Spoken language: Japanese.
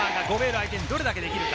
相手にどれだけできるか。